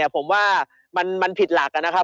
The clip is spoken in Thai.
ผมว่ามันผิดหลักนะครับ